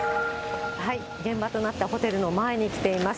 現場となったホテルの前に来ています。